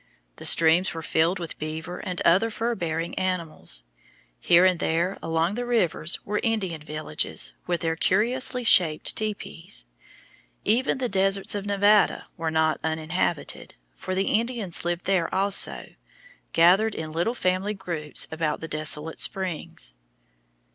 The streams were filled with beaver and other fur bearing animals. Here and there along the rivers were Indian villages with their curiously shaped tepees. Even the deserts of Nevada were not uninhabited, for the Indians lived there also, gathered in little family groups about the desolate springs.